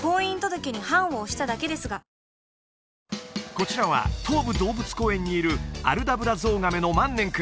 こちらは東武動物公園にいるアルダブラゾウガメのマンネン君